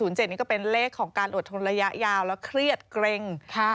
นี่ก็เป็นเลขของการอดทนระยะยาวและเครียดเกร็ง